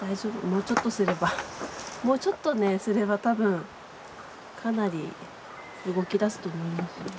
もうちょっとすればもうちょっとねすれば多分かなり動きだすと思いますよ。